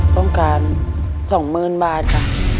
ต้องการ๒หมื่นบาทครับ